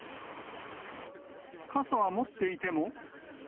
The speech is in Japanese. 傘は持っていても。